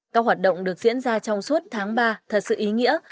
các hoạt động được diễn ra trong suốt tháng ba thật sự ý nghĩa